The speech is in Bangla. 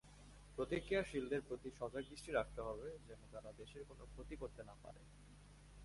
প্রতিক্রিয়াশীলদের প্রতি সজাগ দৃষ্টি রাখতে হবে যেন তারা দেশের কোনো ক্ষতি করতে না পারে।